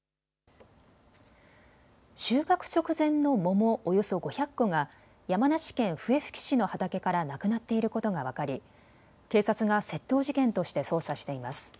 収穫直前の桃およそ５００個が山梨県笛吹市の畑からなくなっていることが分かり警察が窃盗事件として捜査しています。